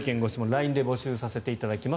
ＬＩＮＥで募集させていただきます。